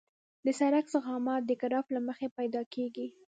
د سرک ضخامت د ګراف له مخې پیدا کیږي